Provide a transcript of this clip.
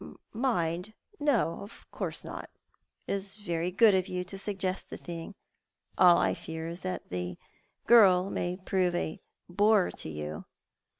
" Mind ? No, of course not. It is very good of you to suggest the thing. All I fear is that the girl may prove a bore to you."